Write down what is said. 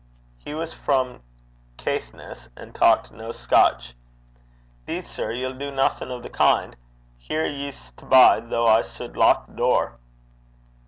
He was from Caithness, and talked no Scotch. ''Deed, sir, ye'll do naething o' the kin'. Here ye s' bide, tho' I suld lock the door.'